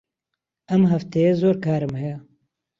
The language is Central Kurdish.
ئەم هەفتەیە زۆر کارم هەیە.